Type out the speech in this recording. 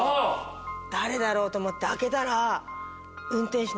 誰だろうと思って開けたら。